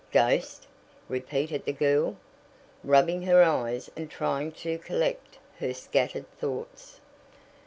"Ghost?" repeated the girl, rubbing her eyes and trying to collect her scattered thoughts.